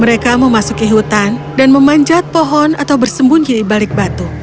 mereka memasuki hutan dan memanjat pohon atau bersembunyi di balik batu